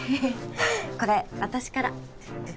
これ私からえっ？